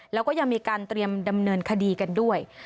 แล้วก็ยังมีการเตรียมดำเนินคดีกันด้วย